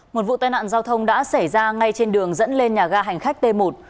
một vụ tai nạn giao thông đã xảy ra ngay trên đường dẫn lên nhà ga hành khách t một